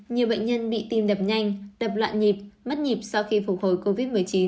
nhiều bệnh nhân bị tim đập nhanh tập loạn nhịp mất nhịp sau khi phục hồi covid một mươi chín